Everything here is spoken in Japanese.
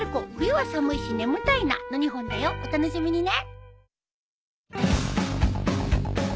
お楽しみにね。